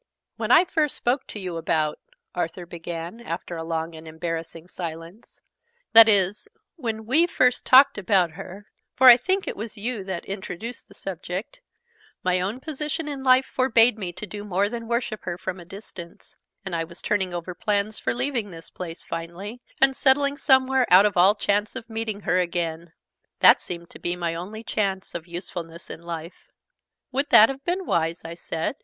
"When I first spoke to you about " Arthur began, after a long and embarrassing silence, "that is, when we first talked about her for I think it was you that introduced the subject my own position in life forbade me to do more than worship her from a distance: and I was turning over plans for leaving this place finally, and settling somewhere out of all chance of meeting her again. That seemed to be my only chance of usefulness in life." "Would that have been wise?" I said.